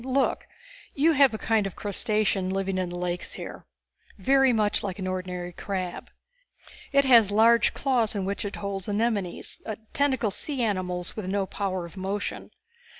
Look. You have a kind of crustacean living in the lakes here, very much like an ordinary crab. It has large claws in which it holds anemones, tentacled sea animals with no power of motion.